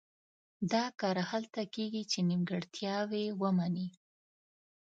دا کار هله کېږي چې نیمګړتیاوې ومني.